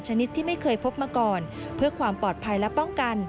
ชนิดที่ไม่เคยพบมาก่อนเพื่อความปลอดภัยและป้องกัน